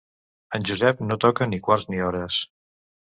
En Josep no toca ni quarts ni hores.